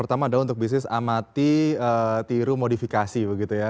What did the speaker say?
pertama adalah untuk bisnis amati tiru modifikasi begitu ya